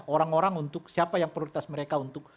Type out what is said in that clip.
orang orang untuk siapa yang prioritas mereka untuk